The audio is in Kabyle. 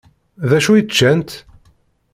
Dacu i ččant?